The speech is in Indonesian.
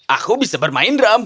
aku bisa bermain drum